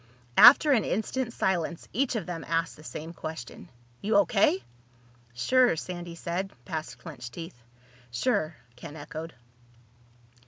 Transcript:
After an instant's silence each of them asked the same question. "You O.K.?" "Sure," Sandy said, past clenched teeth. "Sure," Ken echoed.